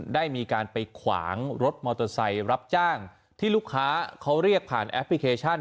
ได้มีการไปขวางรถมอเตอร์ไซค์รับจ้างที่ลูกค้าเขาเรียกผ่านแอปพลิเคชัน